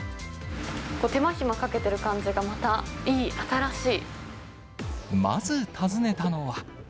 手間暇かけてる感じがまたいまず訪ねたのは。